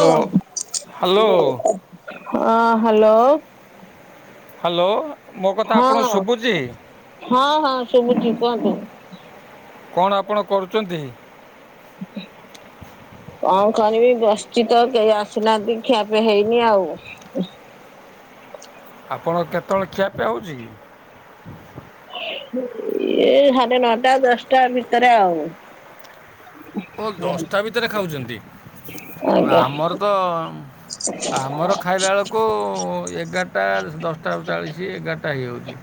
Hello, hello. ହଁ hello. Hello, ମୋ କଥା ହଁ ଆପଣଙ୍କୁ ଶୁଭୁଛି? ହଁ ହଁ, ଶୁଭୁଚି କୁହନ୍ତୁ। କଣ ଆପଣ କରୁ୍ଚନ୍ତି? କଣ କରିବି? ବସିଛି ତ କେହି ଆସୁନାହାନ୍ତି। ଖିଆପିଆ ହେଇନି ଆଉ। ଆପଣ କେତେବେଳେ ଖିଆ ପିଆ ହଉଚି? ଏଇ ସାଢେ ନଅଟା, ଦଶଟା ଭିତରେ ଆଉ। ଓ ଦଶଟା ଭିତରେ ଖାଉଚନ୍ତି। ଆଜ୍ଞା। ଆମର ତ ଆମର ଖାଇଲା ବେଳକୁ ଏଗାରଟା, ଦଶଟା ଚାଳିସି, ଏଗାର ଟା ହେଇଯାଉଚି!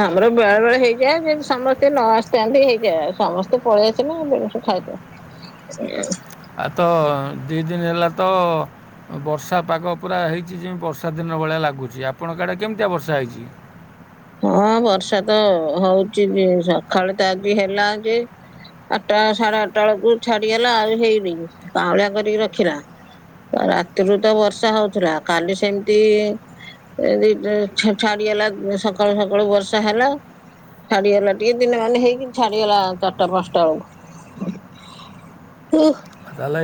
ଆମର ବେଳେ, ବେଳେ ହେଇଯାଏ। ଯେ ସମସ୍ତେ ନ ଆସିଥାନ୍ତି, ହେଇଯାଏ। ଆଉ ସମସ୍ତେ ପଳେଇ ଆସିଲେ ସମସ୍ତେ ଖାଇଦବା। ଆଉ ତ, ଦି ଦିନ ହେଲା ତ ବର୍ଷା ପାଗ ପୁରା ହେଇଛି, ଯେମିତି ବର୍ଷା ଦିନ ଭଳିଆ ଲାଗୁଚି। ଆପଣଙ୍କ ଆଡ଼େ କେମିତିଆ ବର୍ଷା ହେଇଚି? ହଁ ବର୍ଷା ତ ହଉଚି, ଯେ ସକାଳେ ତ ଆଜି ହେଲା ଯେ ଆଠଟା, ସାଢେ ଆଠଟା ବେଳକୁ ଛାଡିଗଲା। ଆଉ ହେଇନି, କାଁଉଳିଆ କରିକି ରଖିଲା ରାତିରୁ ତ ବର୍ଷା ହଉଥିଲା, କାଲି ସେମିତି ଏମିତି ତ, ଛା-ଛାଡିଗଲା ସକାଳୁ ସକାଳୁ ବର୍ଷା ହେଲା। ଛାଡିଗଲା ଟିକେ ଦିନ ମାନେ ହେଇନି, ଛାଡିଗଲା ଚାରିଟା, ପାଞ୍ଚଟା ବେଳକୁ। ତାହେଲେ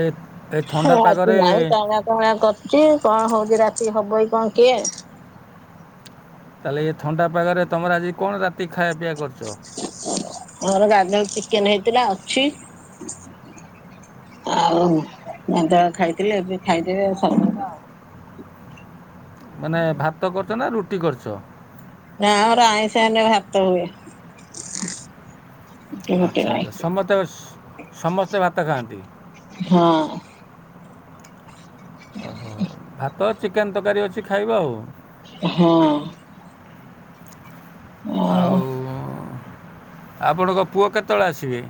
ଏ ଥଣ୍ଡା ହୋ, ଆଜି ପାଗରେ ନାଇଁ କଅଁଳିଆ, କଅଁଳିଆ କରୁଚି କଣ ହଉଛି ଆଜି ରାତି କୁ ହବ କି, କଣ କେଆଣି? ତାହେଲେ ଏ ଥଣ୍ଡା ପାଗରେ, ତମର ଆଜି କଣ ରାତି ଖାଇବା, ପିଇବା କରୁଚ? ଚିକେନ୍ ହେଇଥିଲା ଅଛି। ଆଉ ମଧ୍ୟ ଖାଇଥିଲେ, ଏବେ ଖାଇଦେବେ ସରିଯିବ ଆଉ। ମାନେ ଭାତ କରିଚ ନା ରୁଟି କରିଚ? ନାଇଁ ଆମର ଆଇଁସ ହେଲେ, ଭାତ ହୁଏ। ରୁଟି ଫୁଟି ଆଚ୍ଛା ନାହିଁ ଆଚ୍ଛା। ସମସ୍ତେ-ସ- ସମସ୍ତେ ଭାତ ଖାଆନ୍ତି? ହଁ ଓହୋ। ଭାତ ଚିକେନ୍ ତରକାରୀ ଅଛି ଖାଇବ ଆଉ। ହଁ। ଆଉ, ଆପଣଙ୍କ ପୁଅ କେତେବେଳେ ଆସିବେ?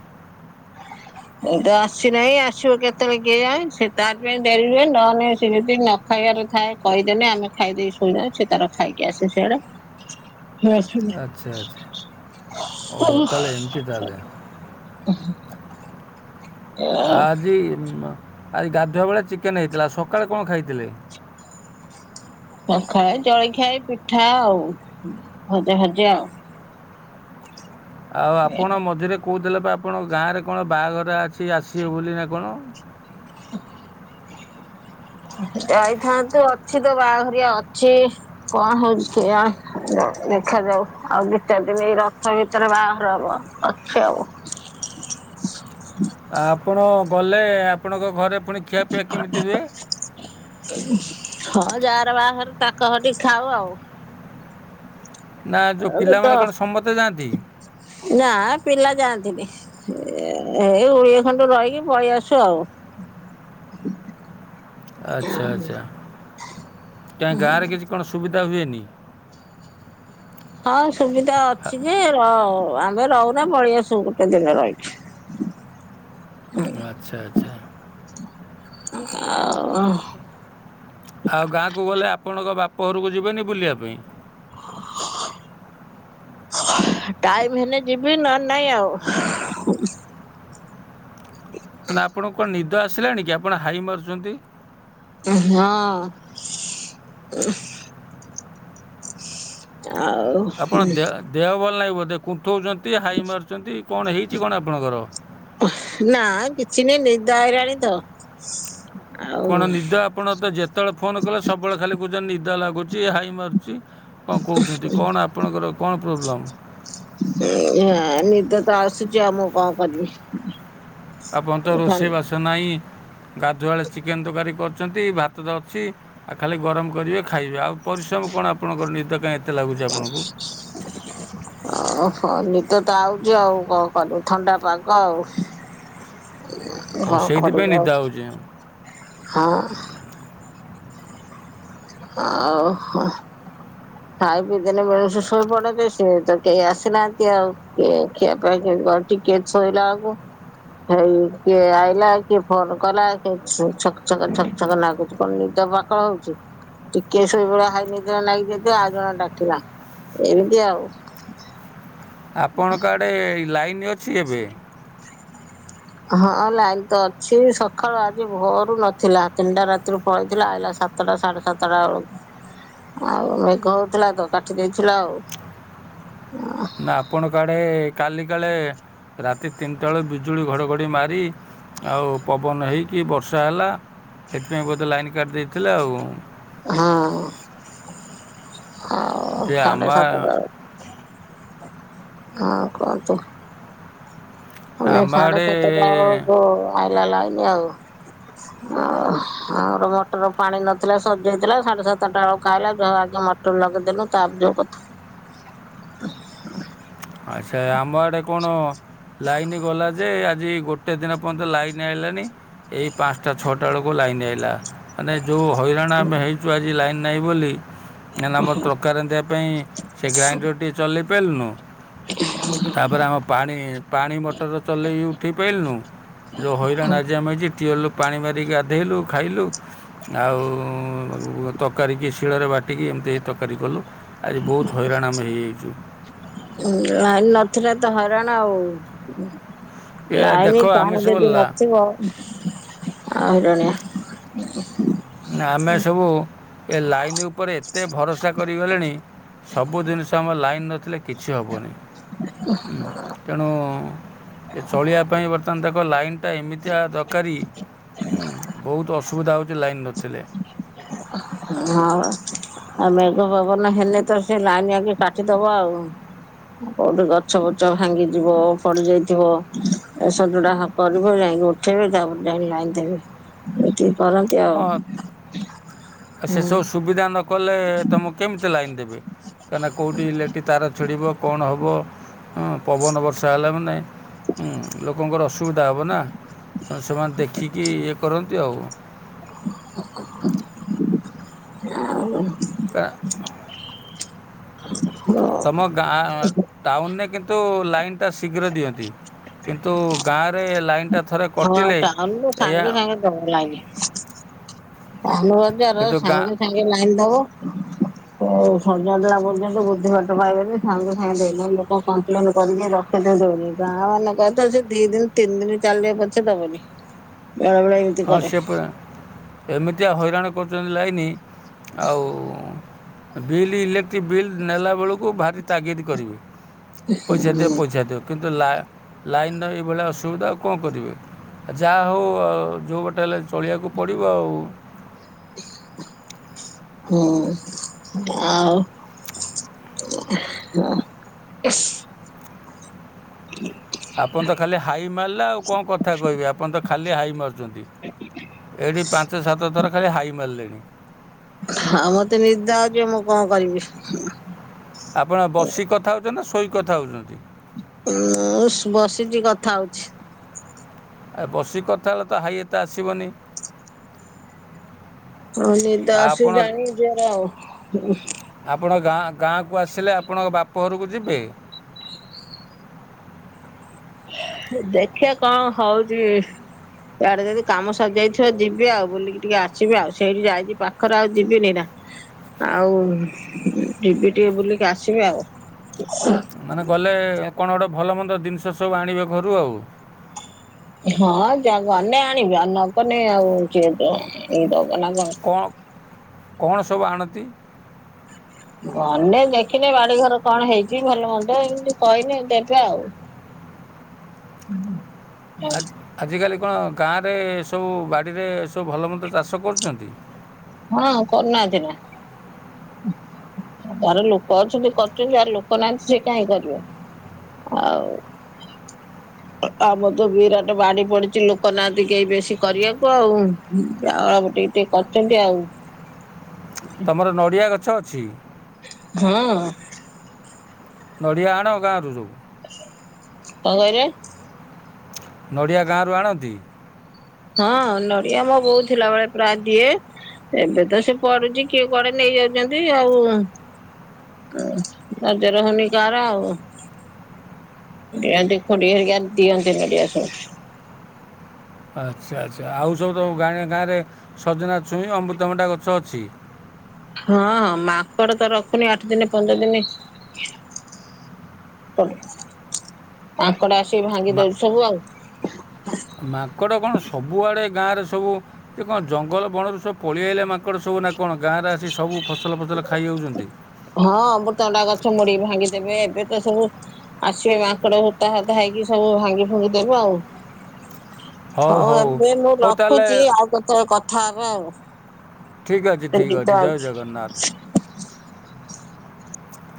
ଏଇ ତ ଆସିନାହିଁ, ଆସିବ କେତେବେଳେ କେଜାଣି, ସେ ତାର ପାଇଁ ଡେରିବେ ନହେଲେ ସେ ଯଦି ନ ଖାଇବାରେ ଥାଏ କହିଦେଲେ, ଆମେ ଖାଇଦେଇ ଶୋଇ ଯାଉ, ସେ ତାର ଖାଇକି ଆସେ ସେଆଡେ! ଆଚ୍ଛା ଆଚ୍ଛା ଓହୋ ତାହେଲେ ଏମିତି [unintelligible] ତାହେଲେ [unintelligible] ଆଉ ଆଜି ମ ଆଜି ଗାଧୁଆ ବେଳେ ଚିକେନ୍ ହେଇଥିଲା, ସକାଳେ କଣ ଖାଇଥିଲେ? ସଖାଳେ ଜଳଖିଆ ଏଇ ପିଠା ଆଉ ଭଜା, ଭଜା ଆଉ। ଆଉ ଆପଣ ମଝିରେ କୋଉଥିଲେବା ଆପଣ ଗାଁରେ କଣ ବାଆଘରା ଅଛି ଆସିବେ ବୋଲି ନା କଣ? [unintelligible] ଯାଇଥାନ୍ତୁ, ଅଛି ତ ବାହାଘରିଆ ଅଛି, କଣ ହଉଛି କେଜାଣେ। ଦେଖାଯାଉ, ଆଉ ଦି ଚାରିଦିନ ଏଇ ରଥ ଭିତରେ ବାହାଘର ହବ, ଅଛି ଆଉ। [unintelligible] ଆପଣ ଗଲେ, ଆପଣଙ୍କ ଘରେ ପୁଣି ଖିଆପିଆ କେମିତି ହୁଏ? ହଁ, ଯାହାର ବାହାଘର ତାଙ୍କ ଘଟି ଖାଉ ଆଉ। ନା ଯୋଉ ପିଲାମାନେ କଣ ସମତେ ଯାଆନ୍ତି? ନାଆ ପିଲା ଯାଆନ୍ତିନି, ଏ ଓଳିଏ ଖଣ୍ଡେ ରହିକି ପଳେଇ ଆସୁ ଆଉ। [unintelligible] ଆଛା, ଆଛା, କାହିଁ ଗାଁରେ କିଛି କଣ ସୁବିଧା ହୁଏନି? ହଁ ସୁବିଧା ଅଛି ଯେ -ର ଆମେ ରହୁନା ପଳେଇଆସୁ ଗୋଟେ ଦିନ ରହିକି। [unintelligible] ଆଛା ଆଛା। ଆ ଉ ବାପଘରକୁ ଯିବେନି ବୁଲିବା ପାଇଁ? ହଁ। ଟାଇମ ହେଲେ ଯିବି, ନ ହେଲେ ନାଇଁ ଆଉ। ନା ଆପଣକୁ କଣ ନିଦ ଆସିଲାଣି କି? ଆପଣ ହାଇ ମାରୁଛନ୍ତି? ହଁ। ଉ ଆପଣ ଦେ ଦେହ ଭଲ ନାହିଁ ଉ ବୋଧେ କୁନ୍ଥଉଛନ୍ତି, ହାଇ ମାରୁଛନ୍ତି, କଣ ହେଇଛି କଣ ଆପଣଙ୍କର? ନା କିଛି ନାହିଁ, ନିଦ ଆଇଲାଣି ତ। ଆଉ କଣ ନିଦ? ଆପଣ ତ ଯେତେବେଳେ ଫୋନ୍ କଲେ ସବୁବେଳେ ଖାଲି କହୁଛନ୍ତି, ନିଦ ଲାଗୁଛି, ହାଇ ମାରୁଛି। କଣ କହୁଛନ୍ତି? କଣ ଆପଣଙ୍କର କଣ ପ୍ରୋବ୍ଲେମ୍? ଉ ଆଁ ନିଦ ତ ଆସୁଛି ଆଉ, ମୁଁ କଣ କରିବି? ଆପଣ ତ ରୋଷେଇବାସ ନାହିଁ। ଗାଧୁଆଳେ ଚିକେନ ତରକାରୀ କରୁଛନ୍ତି, ଭାତ ତ ଅଛି, ଆଉ ଖାଲି ଗରମ କରିବେ, ଖାଇବେ, ଆଉ ପରିଶ୍ରମ କଣ ଆପଣଙ୍କର ନିଦ କାଇଁ ଏତେ ଲାଗୁଚି ଆପଣକୁ? ଓହୋ, ନିିଦ ତ ଆଉଛି ଆଉ କଣ କରିବୁ? ଥଣ୍ଡା ପାଗ ଆଉ। ଓ ହଁ ସେଇଥିପାଇଁ ନିଦ କରିବାଉ ହେଉଛି ହଁ। ଆ ଓହୋ। ଖାଇ ପିଇଦେଲେ ମଣିଷ ଶୋଇପଡେ ଯେ, ସେ ତ କେହି ଆସିନାହାନ୍ତି ଆଉ କିଏ ଖିଆ ପିଆ [unintelligible] ଟିକେ ଛୋଇଲା ଆଳକୁ ହେଇ କିଏ ଆଇଲା, କିଏ ଫୋନ କଲା, କି ଛକ ଛକ ଛକ ଛକ ନାଗୁଛି, କଣ ନି ପାଖଳ ହଉଚି, ଟିକେ ସେଇଭଳିଆ ହାଇନିଦ ଲାଗିଥିବ ଆଉ ଜଣେ ଡାକିଲା ଏମିତି ଆଉ। ଆପଣଙ୍କ ଆଡ଼େ ଲାଇନ୍ ଅଛି ଏବେ? ହଁ ଲାଇନ୍ ତ ଅଛି। ସକାଳୁ ଆଜି ଭୋରୁ ନଥିଲା, ତିନିଟା ରାତିରୁ ପଳେଇଥିଲା ଆଇଲା ସାତଟା ସାଢ଼େସାତଟା ବେଳକୁ। ଆଉ ମେଘ ହଉଥିଲା ତ, କାଟି ଦେଇଥିଲା ଆଉ। ନା ଆପଣକ ଆଡ଼େ କାଲି କାଳେ, ରାତି ତିନିଟା ବେଳେ ବିଜୁଳି ଘଡ଼ଘଡ଼ି ମାରି ଆଉ ପବନ ହେଇକି ବର୍ଷା ହେଲା, ସେଥିପାଇଁ ବୋଧେ ଲାଇନ କାଟି ଦେଇଥିଲେ ଆଉ। ହଁ। ଓ ଯେ ଆମ ସାଢେ ସାତଟା ବେଳକୁ ଆ କନ୍ତି ମାନେ ଆମ ସାଢେ ସାତଟା ଆଡ଼େ ବେଳକୁ ଆଇଲା ଲାଇନ ଆଉ। ଓ ଆମର ମଟର ପାଣି ନଥିଲା ସରି ଯାଇଥିଲା ସାଢେସାତ ଚାରିଟା ବେଳକୁ ଖାଇଲା ଯାହା ମଟର ଲଗେଇ ଦେଲୁ ତାପ ଯଉ କଥା। ଆପଣ ଲାଇନ ଗଲା ଯେ ଆଜି ଗୋଟେ ଦିନ ପର୍ଯ୍ୟନ୍ତ ଲାଇନ୍ ଆଇଲାଣି। ଏଇ ପାଞ୍ଚଟା ଛଅଟା ବେଳକୁ ଲାଇନ ଆଇଲା ମାନେ ଯଉ ହଇରାଣ ଆମେ ହେଇଛୁ ଆଜି ଲାଇନ ନାହିଁ ବୋଲି କଁନା ଆମର ତରକାରୀ ରାନ୍ଧିବା ପାଇଁ ସେ ଗ୍ରାଇଣ୍ଡରଟି ଚଲେଇ ପାରିଲୁନୁ। ତାପରେ ଆମ ପାଣି ପାଣି ମଟର ଚଲେଇକି ଉଠେଇ ପାରିଲୁନୁ। ଯେଉଁ ହଇରାଣ ଆଜି ଆମେ ହେଇଛି ଟିଅଲରୁ ପାଣି ମାରିକି ଗାଧେଇଲୁ ଖାଇଲୁ। ଆଉ ତରକାରୀ କି ଶିଳରେ ବାଟିକି ଏମିତି ଏ ତରକାରୀ କଲୁ। ଆଜି ବହୁତ ହଇରାଣ ଆମେ ହେଇଯାଇଛୁ। ନାଇ ନଥିଲା ତ ହଇରାଣ ଆଉ। ଏ ଦେଖ ଲାଇନ ଫ୍ୟାନ ଆମେ ଯଦି ସବୁ ନଥିବ। ଆଉ ହଇରାଣୀୟା। ଆମେ ସବୁ ଏ ଲାଇନ୍ ଉପରେ ଏତେ ଭରସା କରିଗଲେଣି ସବୁ ଜିନିଷ ଆମ ଲାଇନ୍ ନଥିଲେ କିଛି ହେବନି ହୁଁ ତେଣୁ ଏ ଚଳିବା ପାଇଁ ବର୍ତ୍ତମାନ ତାକୁ ଲାଇନ୍ ଟା ଏମିତିଆ ଦରକାରୀ ଉଁ ବହୁତ ଅସୁବିଧା ହେଉଛି ଲାଇନ୍ ନଥିଲେ। ହଁ ପା। ଆଉ ମେଘ ପବନ ହେଲେ ତ ସେ ଲାଇନ ଆଗେ କାଟିଦବ ଆଉ। କୋଉଠି ଗଛ ବୁଛ ଭାଙ୍ଗି ଯିବ ପଡି ଯାଇଥିବ ଏସଜଡା କରିବ ନାଇ ଉଠେଇବି ତାପରେ ଜାଣି ଲାଇନ ଦେବି ଏତିକି କରନ୍ତି ଆଉ। ଆ ସେସବୁ ସୁବିଧା ନକଲେ ତମକୁ କେମତି କେତେ ଲାଇନ୍ ଦେବେ କାହିଁକିନା କେଉଁଠି ଇଲେଟିି ତାର ଛିଡ଼ିବ କଣ ହେବ। ହଁ ପବନ ବର୍ଷା ହେଲା ମାନେ ହୁଁ ଲୋକଙ୍କର ଅସୁବିଧା ହେବ ନା। ତ ସେମାନେ ଦେଖିକି ଇଏ କରନ୍ତି ଆଉ। ଆଉ ତା ହ ତମ ଗାଁ ଟାଉନରେ କିନ୍ତୁ ଲାଇନ୍ ଟା ଶୀଘ୍ର ଦିଅନ୍ତି। କିନ୍ତୁ ଗାଁରେ ଲାଇନ୍ ଟା ଥରେ ହଁ କଟିଲେ ଟାଉନରୁ ଏୟା। ସାଙ୍ଗେ ସାଙ୍ଗେ ଦବ ଲାଇନି। ଟାଉନ ବଜାର କିନ୍ତୁ ଗାଁ ସାଙ୍ଗେ ସାଙ୍ଗେ ଲାଇନ ଦବ। ହ ସଜାଡି ଦେଲା ପର୍ଯ୍ୟନ୍ତ ବୁଦ୍ଧି ବାଟ ପାଇବେନି ସାଙ୍ଗେ ସାଙ୍ଗେ ଦେଲେ ଲୋକ କମ୍ପ୍ଲେନ କରିକି ରଖିଦେ ଦଉନି ଗାଁ ମାନେ କଥା ସେ ଦି ଦିନ ତିନି ଦିନ ଚାଲିଲେ ପଛେ ଦବନି। ବେଳେବେଳେ ଏନତି ହଁ କରେ। ସେ ପୁରା ଏମିତିଆ ହଇରାଣ କରୁଛନ୍ତି ଲାଇନି ଆଉ। ବିଲ୍ ଇଲେକ୍ଟ୍ରିକ୍ ବିଲ୍ ନେଲା ବେଳକୁ ଭାରି ତାଗିଦ କରିବେ। ପଇସା ହୁଁ। ଦିଅ ପଇସା ଦିଅ କିନ୍ତୁ କିନ୍ତୁ ଲା-ଲାଇନ୍ ର ଏଇଭଳିଆ ଅସୁବିଧା ଆଉ କଣ କରିବେ ଯାହା ହଉ। ଯଉ ଗଟେ ହେଲେ ଚଳିବାକୁ ପଡ଼ିବ ଆଉ। ହୁଁ ଆଉ ହ ହ ଆପଣ ତ ଖାଲି ହାଇ ମାରିଲା ଆଉ କଣ କଥା କହିବେ ଆପଣ ତ ଖାଲି ହାଇ ମାରୁଛନ୍ତି। ଏଇଠି ପାଞ୍ଚ ସାତ ଥର ଖାଲି ହାଇ ମାରିଲେଣି। ହ ଆପଣ ବସି କଥା ହେଉଛନ୍ତି ନା ଶୋଇ କଥା ହେଉଛନ୍ତି। ଉ ବସିଚ, କଥା ହଉଛି। ଏ ବସିକି କଥା ହେଲେ ତ, ହାଇ ଏତେ ଆସିବନି? ହଁ, ନିଦ ଆଉ ଆପଣ ଆସୁଚି [unintelligible] ଆପଣ ଗାଁ ଗାଁକୁ ଆସିଲେ, ଆପଣଙ୍କ ବାପ ଘରକୁ ଯିବେ? ଦେଖିଆ କଣ ହଉଚି? ୟାଡ଼େ ଯଦି କାମ ସରିଯାଇଥିବ ଯିବି ଆଉ, ବୁଲିକି ଟିକେ ଆସିବି ଆଉ, ସେଇଠି ଯାଇଛିି ପାଖରେ, ଆଉ ଯିବିନି ନା! ଆଉ ଯିବି ଟିକେ ବୁଲିକି ଆସିବି ଆଉ ମାନେ ଗଲେ କଣ ଗୋଟେ ଭଲମନ୍ଦ ଦିନିଷ ସବୁ ଆଣିବେ ଘରୁ ଆଉ ହଁ, ଜ ଗଲେ ଆଣିବି ଆଉ ନଗଲେ ଆଉ କିଏ ଦ ଆଣିକି ଦବ - - ତୋ ନାଁ କଣ [unintelligible] କଣ ସବୁ ଆଣନ୍ତି? ଗନେ ଦେଖିଲେ, ବାଡି ଘର କଣ ହେଇଛି, ଭଲ ମନ୍ଦ, ଏମତି କହିଲେ ଦେବେ ଆଉ ହୁଁ ଆ ଆଜିକାଲି କଣ ଗାଁରେ ସବୁ ବାଡ଼ିରେ, ସବୁ ଭଲମନ୍ଦ, ଚାଷ କରୁଚନ୍ତି? ହଁ, କରୁନାହାନ୍ତି ନା ଯାହାର ଲୋକ ଅଛନ୍ତି କରୁଛନ୍ତି, ଯାହାର ଲୋକ ନାହାଁନ୍ତି ସେ କାହିଁ କରିବ? ଆଉ ଆମର ତ ବିରାଟ ବାଡି ପଡିଛି ଲୋକ ନାହାନ୍ତି କେହି ବେଶୀ କରିବାକୁ ଆଉ [unintelligible] ଟିକେ କରିଚନ୍ତି ଆଉ ତମର ନଡ଼ିଆ ଗଛ ଅଛି? ହଁ। ନଡ଼ିଆ ଆଣ ଗାଁରୁ ସବୁ କଁଅ କହିଲେ? ନଡ଼ିଆ ଗାଁରୁ ଆଣନ୍ତି? ହଁ ନଡିଆ ମୋ ବୋଉ ଥିଲା ବେଳେ ପ୍ରାଏ ଦିଏ, ଏବେ ତ ସେ ପଡୁଚି କିଏ କୁଆଡେ ନେଇ - - ନେଇଯାଉଛନ୍ତି ଆଉ ହୁଁ, ନଜର ହଉନି କାଆର ଆଉ ଦିଅନ୍ତି, ଖୁଡି ହେରିକା ଦିଅନ୍ତି ନଡ଼ିଆ ସବୁ ଆଛା ଆଛା, ଆଉ ସବୁ ତ ଗାଁ, ଗାଁରେ ସଜନା ଛୁଇଁ ଅମୃତଭଣ୍ଡା ଗଛ ଅଛି? ହଁ, ହଁ ମାଙ୍କଡ ତ ରଖୁନି ଆଠଦିନିରେ ପନ୍ଦର ଦିନିରେ [unintelligible] ମାଙ୍କଡ଼ ଆସିକି ଭାଙ୍ଗି ମା ଦଉଛି ସବୁ ଆଉ ମାଙ୍କଡ଼ କ'ଣ ସବୁଆଡ଼େ ଗାଁରେ ସବୁ ଏ କଣ ଜଙ୍ଗଲ ବଣରୁ ସବୁ ପଳେଇଆଲେ ମାଙ୍କଡ଼ ସବୁ ନା କଣ? ଗାଁରେ ଆସି ସବୁ ଫସଲ - - ହଁ ଅମୃତଣ୍ଡା ଗଛ ମୁଡିିକି ଭାଙ୍ଗିଦେବେ, ଏବେ ଏସବୁ ଆସିବେ ମାଙ୍କଡ ହୁତା ହୁତା ହେଇକି ସବୁ ଭାଙ୍ଗି ଭୁଙ୍ଗି ଦେବେ ଆଉ ହଉ, ଏବେ ମୁଁ ହଉ ତାହେଲେ ରଖୁଛି ଆଉ କେତେବେଳେ କଥା ହେବା ଆଉ ଠିକ୍ ଅଛି ଏ ଠିକ୍ ଅଛି ନିଦ ଜୟ ଜଗନ୍ନାଥ ଆଉଚି।